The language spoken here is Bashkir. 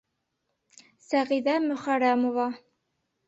Сәғиҙә МӨХӘРӘМОВА.